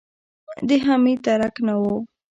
د حميد درک نه و.